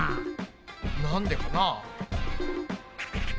なんでかな？